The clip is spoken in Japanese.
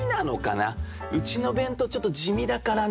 「うちの弁当ちょっと地味だからな」みたいな。